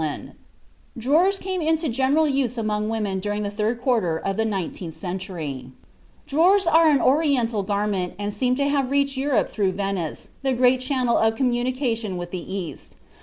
(Tilt, Elements of Health, 1852, p. 193.) Drawers came into general use among women during the third quarter of the nineteenth century. Drawers are an Oriental garment, and seem to have reached Europe through Venice, the great channel of communication with the East.